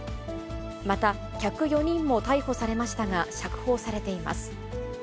また、客４人も逮捕されましたが、釈放されています。